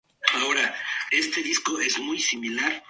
Keane, en defensa propia, mata a uno y hiere al otro.